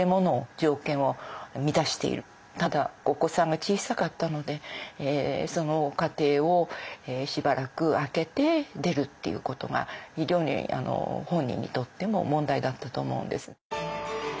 ただお子さんが小さかったのでその家庭をしばらく空けて出るっていうことが非常に本人にとっても問題だったと思うんです。